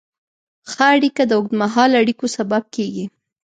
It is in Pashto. ښه اړیکه د اوږدمهاله اړیکو سبب کېږي.